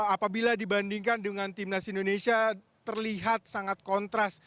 apabila dibandingkan dengan timnas indonesia terlihat sangat kontras